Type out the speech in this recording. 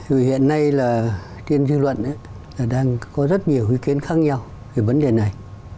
vì hiện nay tiên dư luận đang có rất nhiều ý kiến khác nhau về vấn đề này